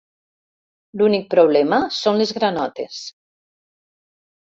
L'únic problema són les granotes.